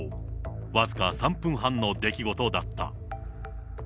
僅か３分半の出来事だった。